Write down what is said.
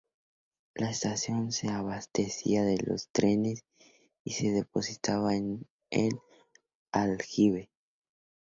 La estación se abastecía de los trenes y se depositaba en el aljibe.